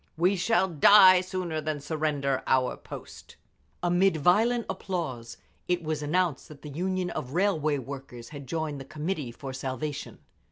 "We shall die sooner than surrender our post!" Amid violent applause it was announced that the Union of Railway Workers had joined the Committee for Salvation.